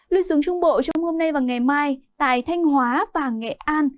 lưu xuống trung bộ trong hôm nay và ngày mai tại thanh hóa và nghệ an